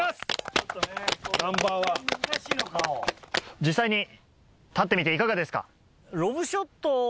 実際に立ってみていかがですか？